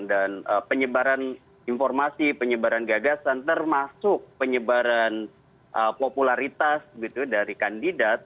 dan penyebaran informasi penyebaran gagasan termasuk penyebaran popularitas dari kandidat